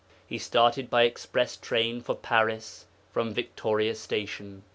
He started by express train for Paris from Victoria Station.